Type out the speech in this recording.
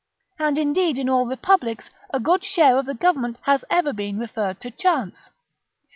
And, indeed, in all republics, a good share of the government has ever been referred to chance.